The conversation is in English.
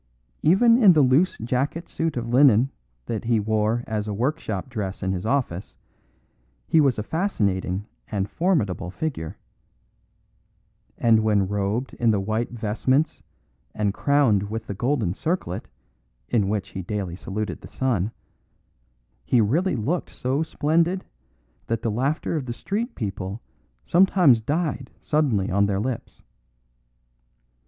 Even in the loose jacket suit of linen that he wore as a workshop dress in his office he was a fascinating and formidable figure; and when robed in the white vestments and crowned with the golden circlet, in which he daily saluted the sun, he really looked so splendid that the laughter of the street people sometimes died suddenly on their lips.